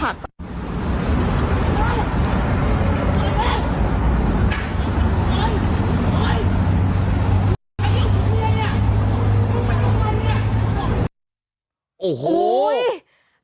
ไม่เป็นไงไงแม่น้ำเจ้าพระยา